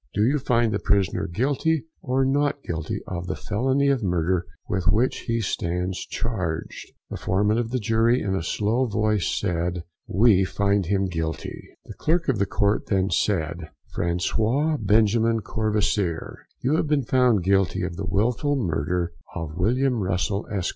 Do you find the prisoner Guilty or Not Guilty of the felony of murder with which he stands charged?" The foreman of the jury, in a low voice, said "We find him GUILTY!" The Clerk of the Court then said: François Benjamin Courvoisier, you have been found Guilty of the wilful murder of William Russell, Esq.